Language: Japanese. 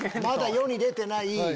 まだ世に出てない。